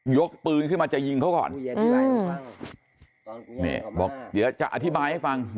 กปืนขึ้นมาจะยิงเขาก่อนนี่บอกเดี๋ยวจะอธิบายให้ฟัง